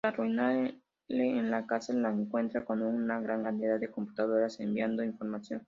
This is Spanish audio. Al irrumpir en le casa lo encuentran con gran cantidad de computadoras enviando información.